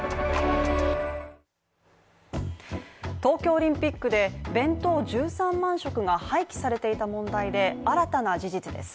東京オリンピックで弁当１３万食が廃棄されていた問題で、新たな事実です。